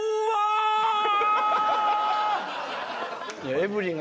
エブリンが。